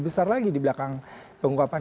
besar lagi di belakang pengungkapan